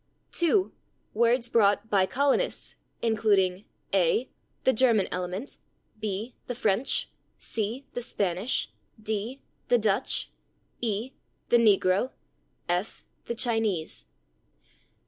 2. Words brought by colonists, including: a. The German element. b. The French. c. The Spanish. d. The Dutch. e. The negro. f. The Chinese.